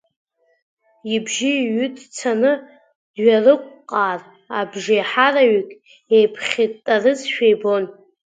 Ибжьы ҩыҭцаны, дҩарықәҟаар, абжеиҳара-ҩык еиԥхьирттарызшәа ибон.